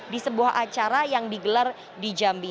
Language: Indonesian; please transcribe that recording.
di sebuah acara yang digelar di jambi